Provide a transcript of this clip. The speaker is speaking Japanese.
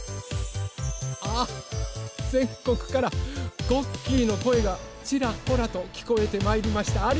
あぜんこくからごっきーのこえがちらほらときこえてまいりました。